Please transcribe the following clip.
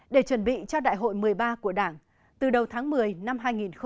để chuẩn bị cho đại hội một mươi ba của đảng từ đầu tháng một mươi năm hai nghìn hai mươi